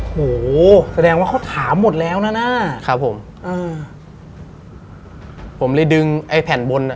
โหแสดงว่าเขาถามหมดแล้วนะนะ